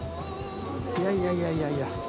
いやいやいやいやいや。